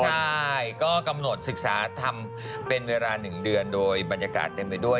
ใช่ก็กำหนดศึกษาทำเป็นเวลา๑เดือนโดยบรรยากาศเต็มไปด้วย